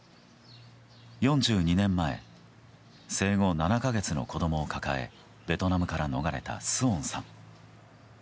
４２年前生後７か月の子供を抱えベトナムから逃れたスオンさん。